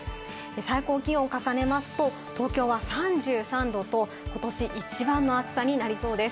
最高気温を重ねますと、東京は３３度とことし一番の暑さになりそうです。